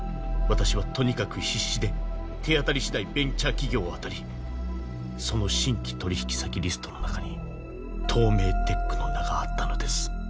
私はとにかく必死で手当たりしだいベンチャー企業を当たりその新規取引先リストの中にトーメイテックの名があったのです